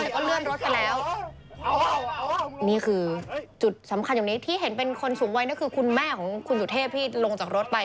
ก็เลื่อนรถไปแล้วนี่คือจุดสำคัญอย่างนี้ที่เห็นเป็นคนสูงวัยนั่นคือคุณแม่ของคุณสุเทพที่ลงจากรถไป